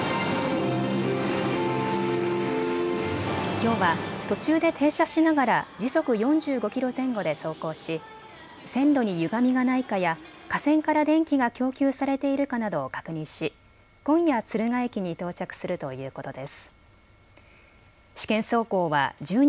きょうは途中で停車しながら時速４５キロ前後で走行し線路にゆがみがないかや架線から電気が供給されているかなどを確認し今夜、敦賀駅に到着するということです。